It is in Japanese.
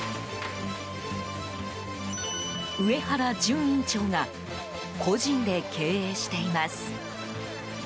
上原淳院長が個人で経営しています。